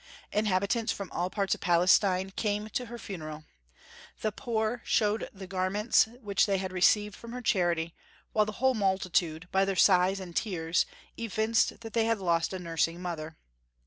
Inhabitants from all parts of Palestine came to her funeral: the poor showed the garments which they had received from her charity; while the whole multitude, by their sighs and tears, evinced that they had lost a nursing mother.